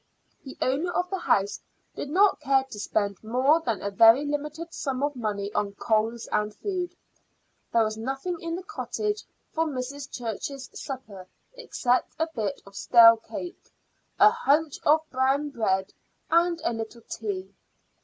The owner of the house did not care to spend more than a very limited sum of money on coals and food. There was nothing in the cottage for Mrs. Church's supper except a bit of stale cake, a hunch of brown bread, and a little tea.